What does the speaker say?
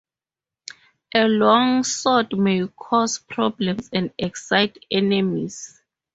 A long sword may cause problems and excite enemies.